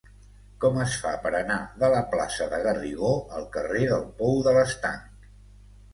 Com es fa per anar de la plaça de Garrigó al carrer del Pou de l'Estanc?